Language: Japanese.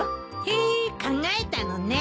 へえ考えたのね。